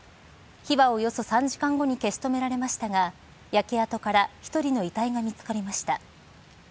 火はおよそ３時間後に消し止められましたが焼け跡から１人の遺体が見つかりました。